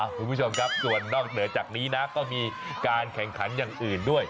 คุณผู้ชมครับส่วนนอกเหนือจากนี้นะก็มีการแข่งขันอย่างอื่นด้วย